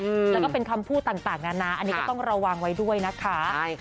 แล้วก็เป็นคำพูดต่างนะอันนี้ก็ต้องระวังไว้ด้วยนะคะ